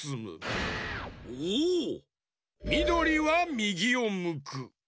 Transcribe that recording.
みどりはみぎをむく。